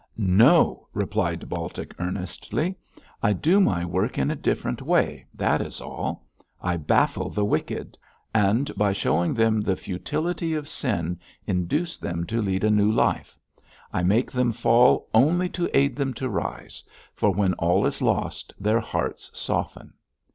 'No!' replied Baltic, earnestly. 'I do my work in a different way, that is all. I baffle the wicked, and by showing them the futility of sin, induce them to lead a new life. I make them fall, only to aid them to rise; for when all is lost, their hearts soften.'